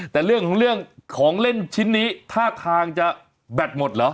แต่เรื่องของเล่นชิ้นนี้ท่าทางจะแบตหมดเหรอ